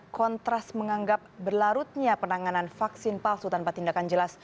kontras menganggap berlarutnya penanganan vaksin palsu tanpa tindakan jelas